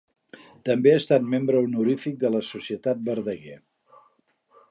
També ha estat membre honorífic de la Societat Verdaguer.